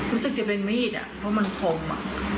รู้สึกจะเป็นมีดเพราะมันพร้อม